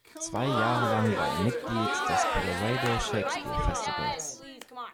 Zwei Jahre lang war er Mitglied des „Colorado Shakespeare Festivals“.